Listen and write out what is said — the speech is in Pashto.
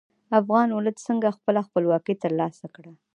افغان ولس څنګه خپله خپلواکي تر لاسه کړه؟